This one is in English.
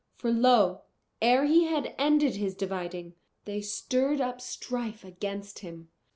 For lo! ere he had ended his dividing, they stirred up strife against him.